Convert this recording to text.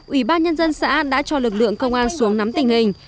ủy ban nhân dân xã đã cho lực lượng công an xuống nắm tình hình